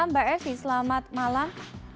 mbak evi selamat malam